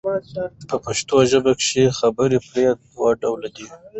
په پښتو ژبه کښي خبر پر دوه ډوله دئ.